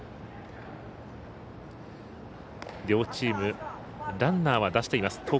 両チームランナーは出しています。